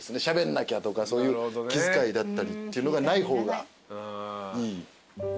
しゃべんなきゃとかそういう気遣いだったりっていうのがない方がいい。